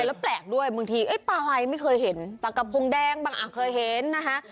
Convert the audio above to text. แล้วแปลกด้วยบางทีปลาไหลไม่เคยเห็นปลากระพงแดงบางอ่ะเคยเห็นนะคะ